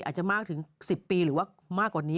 อาจจะมากถึง๑๐ปีหรือว่ามากกว่านี้